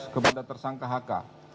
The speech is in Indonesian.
kepada tersangka hk